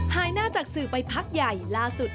หายหน้าจากสื่อไปพักใหญ่ล่าสุด